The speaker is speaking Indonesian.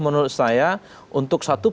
menurut saya untuk satu